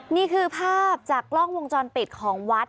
นี่คือภาพจากกล้องวงจรปิดของวัด